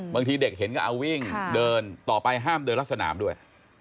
บางทีเด็กเห็นก็เอาวิ่งเดินต่อไปห้ามเดินรัดสนามด้วย